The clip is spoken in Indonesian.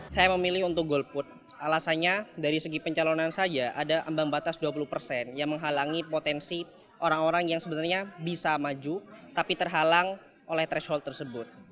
saya memilih untuk golput alasannya dari segi pencalonan saja ada ambang batas dua puluh persen yang menghalangi potensi orang orang yang sebenarnya bisa maju tapi terhalang oleh threshold tersebut